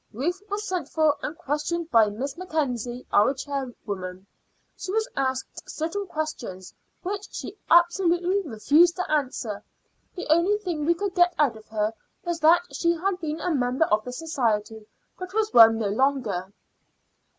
Ruth was sent for and questioned by Miss Mackenzie, our chairwoman. She was asked certain questions, which she absolutely refused to answer. The only thing we could get out of her was that she had been a member of the society but was one no longer."